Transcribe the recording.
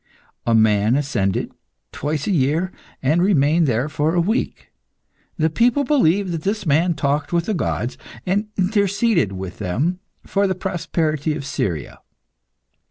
A man ascended, twice a year, and remained there for a week. The people believed that this man talked with the gods, and interceded with them for the prosperity of Syria.